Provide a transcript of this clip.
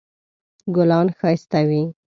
ګلان ښایسته وي